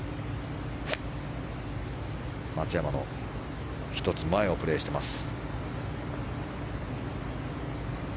松山の１つ前をプレーしています。